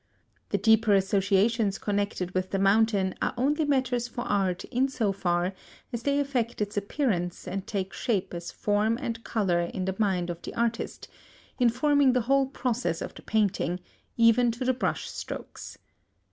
The deeper associations connected with the mountain are only matters for art in so far as they affect its appearance and take shape as form and colour in the mind of the artist, informing the whole process of the painting, even to the brush strokes.